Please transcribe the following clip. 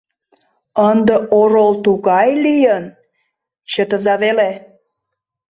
Ынде орол тугай лийын, чытыза веле!